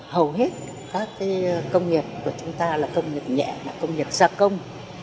hầu hết các công nghiệp của chúng ta là công nghiệp nhẹ công nghiệp gia công